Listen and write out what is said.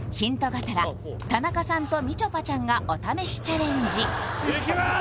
がてら田中さんとみちょぱちゃんがお試しチャレンジいきます！